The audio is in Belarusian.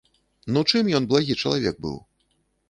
Ну чым ён благі чалавек быў?